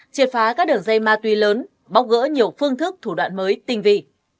triệt phá các đường dây ma túy lớn bóc gỡ nhiều phương thức thủ đoạn mới tình vị